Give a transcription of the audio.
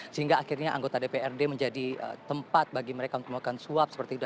sehingga akhirnya anggota dprd menjadi tempat bagi mereka untuk melakukan suap seperti itu